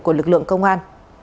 của lực lượng công an